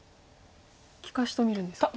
利かしと見るんですか。